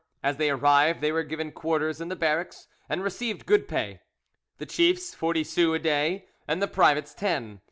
As they arrived they were given quarters in the barracks, and received good pay—the chiefs forty sous a day, and the privates ten.